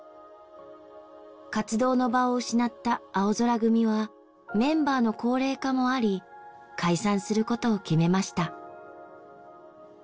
活動の場を失ったあおぞら組はメンバーの高齢化もあり解散することを決めました。